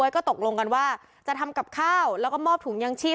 ก็ตกลงกันว่าจะทำกับข้าวแล้วก็มอบถุงยางชีพ